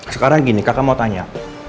sekarang gini kakak mau tanya